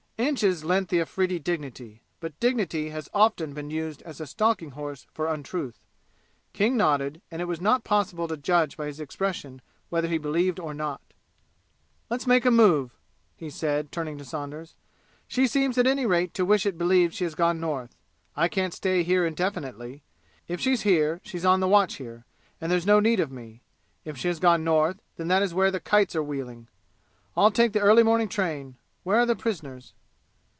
Inches lent the Afridi dignity, but dignity has often been used as a stalking horse for untruth. King nodded, and it was not possible to judge by his expression whether he believed or not. "Let's make a move," he said, turning to Saunders. "She seems at any rate to wish it believed she has gone North. I can't stay here indefinitely. If she's here she's on the watch here, and there's no need of me. If she has gone North, then that is where the kites are wheeling! I'll take the early morning train. Where are the prisoners?"